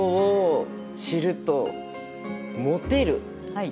はい。